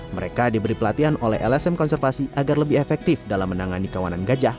mereka diberi pelatihan oleh lsm konservasi agar lebih efektif dalam menangani kawanan gajah